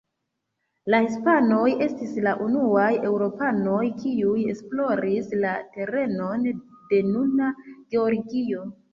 La hispanoj estis la unuaj eŭropanoj, kiuj esploris la terenon de nuna Georgio.